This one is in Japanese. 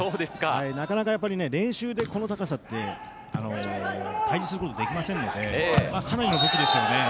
なかなか練習でこの高さって対峙することできませんのでかなりの武器ですよね。